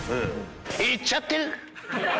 「いっちゃってる！」